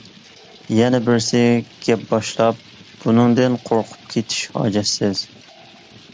يەنە بىرسى گەپ باشلاپ:-بۇنىڭدىن قورقۇپ كېتىش ھاجەتسىز!